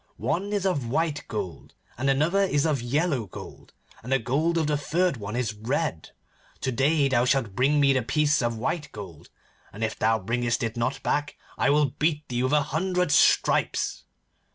One is of white gold, and another is of yellow gold, and the gold of the third one is red. To day thou shalt bring me the piece of white gold, and if thou bringest it not back, I will beat thee with a hundred stripes.